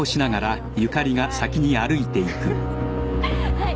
はい。